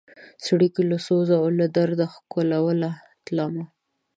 څړیکو له سوزه او له درده ښکلوله تلمه